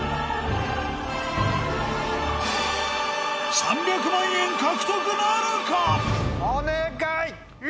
３００万円獲得なるか⁉お願い！